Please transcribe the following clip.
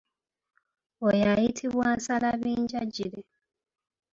Oyo ayitibwa nsalabijanjire.